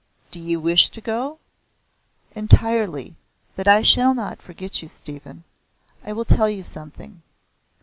"Do you wish to go?" "Entirely. But I shall not forget you, Stephen. I will tell you something.